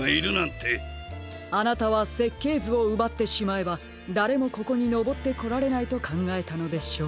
あなたはせっけいずをうばってしまえばだれもここにのぼってこられないとかんがえたのでしょう。